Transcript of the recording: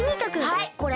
はいこれ。